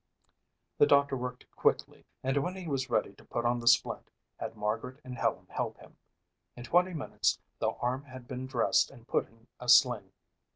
The doctor worked quickly and when he was ready to put on the splint had Margaret and Helen help him. In twenty minutes the arm had been dressed and put in a sling.